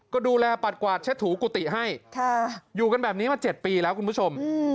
ก็ดูแลปัดกวาดเช็ดถูกุฏิให้อยู่กันแบบนี้มา๗ปีแล้วคุณผู้ชม